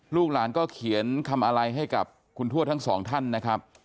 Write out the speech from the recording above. ลูกหลานก็เขียนคำอะไรให้กับคุณทวดทั้งสองท่านนะครับ